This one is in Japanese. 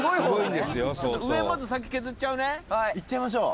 「上まず先削っちゃうね」